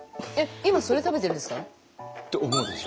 今それ食べてるんですか？と思うでしょ？